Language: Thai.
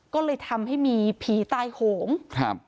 ก็เลยทำให้มีผีตายโขม